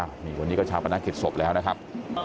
อ้าวนี่วันนี้ก็ชาปนาคิดศพแล้วนะครับ